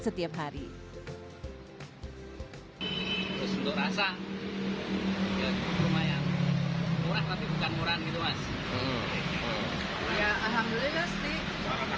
setiap hari hai berusaha hai ke rumah yang murah tapi bukan murahan gitu mas ya alhamdulillah